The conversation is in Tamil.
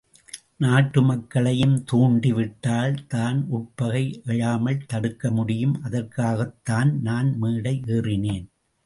நாட்டு மக்களையும் தூண்டி விட்டால் தான் உட்பகை எழாமல் தடுக்க முடியும் அதற்காகத்தான் நான் மேடை ஏறினேன்.